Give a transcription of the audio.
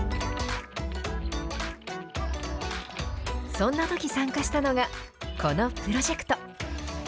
そんなとき参加したのが、このプロジェクト。